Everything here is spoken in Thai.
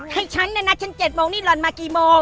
ให้ฉันเนี่ยนะฉัน๗โมงนี่หล่อนมากี่โมง